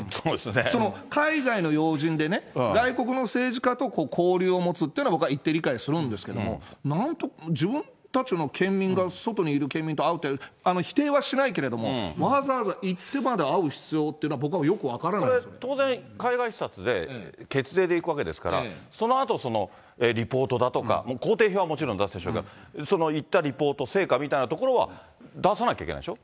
その、海外の要人でね、外国の政治家と交流を持つっていうのは、僕は一定理解するんですけれども、自分たちの県民が外にいる県民と会うって、否定はしないけれども、わざわざ行ってまで会う必要っていうのは、僕はよく分からないでこれ、当然、海外視察で、血税で行くわけですから、そのあとリポートだとか、行程表はもちろん出すでしょうけれども、行ったリポート、成果みたいなものは出さなきゃいけないでしょ。